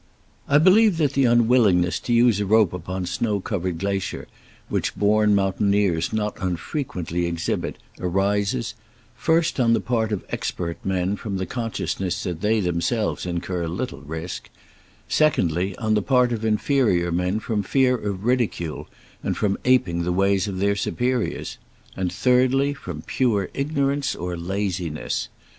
I believe that the unwillingness to use a rope upon snow covered glacier which born mountaineers not unfrequently ex hibit, arises — first, on the part of expert men from the consciousness that they themselves incur little risk ; secondly, on the part of inferior men from fear of ridicule, and from aping the ways of their superiors ; and 'thirdly, from pure ignorance or laziness.